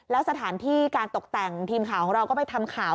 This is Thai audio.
แล้วสถานที่การตกแต่งทีมข่าวของเราก็ไปทำข่าว